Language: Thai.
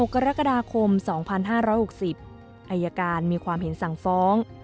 กรกฎาคม๒๕๖๐อายการมีความเห็นสั่งฟ้อง